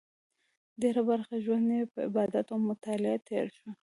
ډېره برخه ژوند یې په عبادت او مطالعه تېر شو.